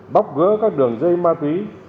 bóc gỡ các đường dây ma túy